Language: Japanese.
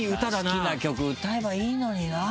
好きな曲歌えばいいのにな。